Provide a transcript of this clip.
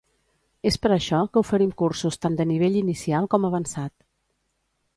És per això que oferim cursos tant de nivell inicial com avançat.